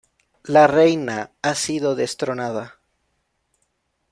La Reina ha sido destronada.